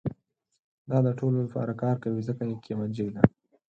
دا د ټولو لپاره کار کوي، ځکه یې قیمت جیګ ده